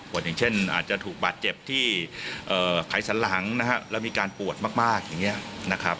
อย่างเช่นอาจจะถูกบาดเจ็บที่ไขสันหลังนะฮะแล้วมีการปวดมากอย่างนี้นะครับ